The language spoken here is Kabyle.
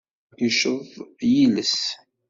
Yeceḍ yiles.